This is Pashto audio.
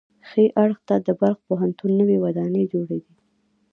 ښي اړخ ته د بلخ پوهنتون نوې ودانۍ جوړې دي.